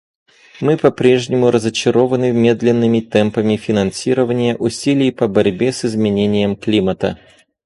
Мы по-прежнему разочарованы медленными темпами финансирования усилий по борьбе с изменением климата.